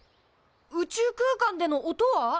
宇宙空間での音は？